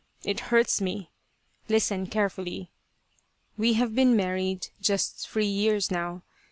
It hurts me. Listen carefully ! We have been married just three years now.